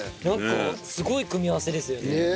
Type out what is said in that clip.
なんかすごい組み合わせですよね。